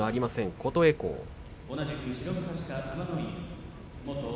琴恵光です。